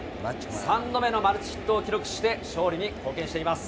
３度目のマルチヒットを記録して、勝利に貢献しています。